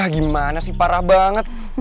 gimana sih parah banget